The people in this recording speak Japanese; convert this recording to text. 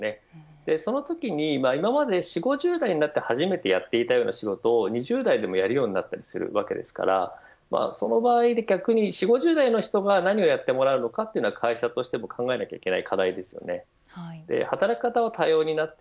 そのときに今まで４、５０代になって初めてやっていたような仕事を２０代でもやるようになるわけですからその場合、逆に４０５０代の人に何をやってもらうのかというのは会社としても考えなくてはいけません。